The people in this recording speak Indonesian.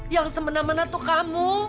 yang semena mena tuh kamu